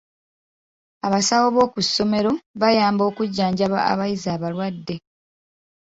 Abasawo b'oku ssomero bayamba okujjanjaba abayizi abalwadde.